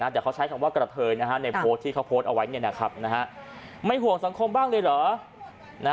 แต่เขาใช้คำว่ากระเทยในโพสต์ที่เขาโพสต์เอาไว้ไม่ห่วงสังคมบ้างเลยเหรอ